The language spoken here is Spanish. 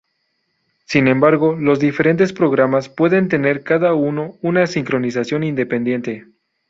Sin embargo, los diferentes programas pueden tener cada uno una sincronización independiente.